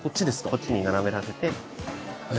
こっちに斜めらせて。へ。